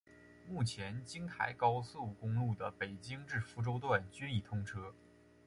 目前京台高速公路的北京至福州段均已通车。